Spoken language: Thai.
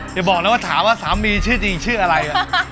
อย่าบอกนะว่าถามว่าสามีชื่อจริงชื่ออะไร